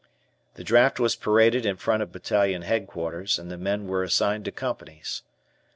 The draft was paraded in front of Battalion Headquarters, and the men were assigned to companies.